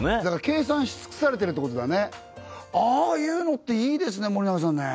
計算し尽くされてるってことだねああいうのっていいですね森永さんね